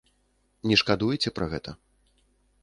Не шкадуеце пра гэта?